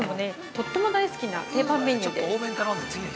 とっても大好きな定番メニューです。